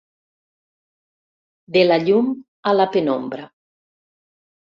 De la llum a la penombra.